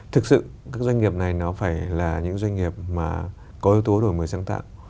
thực sự các doanh nghiệp này nó phải là những doanh nghiệp mà có yếu tố đổi mới sáng tạo